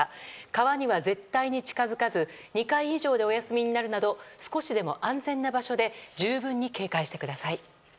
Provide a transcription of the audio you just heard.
川には絶対に近づかず２階以上でお休みになるなど少しでも安全な場所で十分に警戒してください。